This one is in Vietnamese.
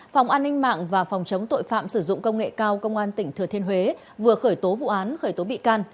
phòng an ninh mạng và phòng chống tội phạm sử dụng công nghệ cao công an tỉnh thừa thiên huế vừa khởi tố vụ án khởi tố bị can